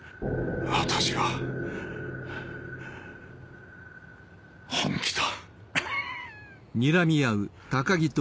私は本気だ！